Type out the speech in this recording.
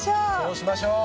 そうしましょう！